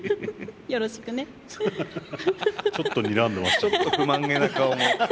ちょっと不満げな顔も。